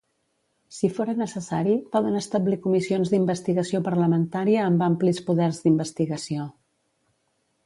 Si fóra necessari, poden establir comissions d'investigació parlamentària amb amplis poders d'investigació.